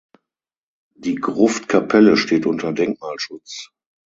Die Gruftkapelle steht unter Denkmalschutz.